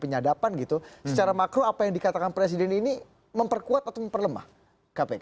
penyadapan gitu secara makro apa yang dikatakan presiden ini memperkuat atau memperlemah kpk